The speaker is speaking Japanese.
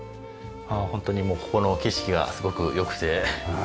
ホントにもうここの景色がすごく良くて。